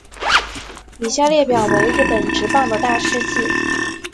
以下列表为日本职棒的大事纪。